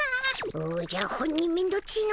おじゃほんにめんどっちいの。